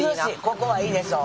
ここはいいでしょ。